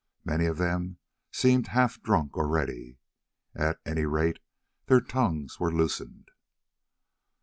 Many of them seemed half drunk already, at any rate their tongues were loosened.